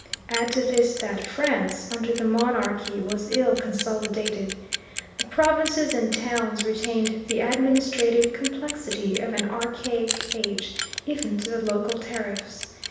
Add to this that France, under the monarchy, was ill consolidated. The provinces and towns retained the administrative complexity of an archaic age, even to local tariffs.